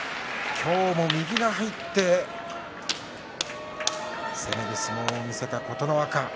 今日も右が入って攻める相撲を見せた琴ノ若。